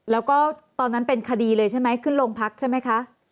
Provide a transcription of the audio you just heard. แล้วก็ตอนนั้นเป็นคดีเลยใช่ไหมขึ้นโรงพักใช่ไหมคะ